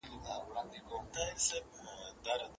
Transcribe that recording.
چي نه شوروي د پاولیو نه شرنګی د غاړګیو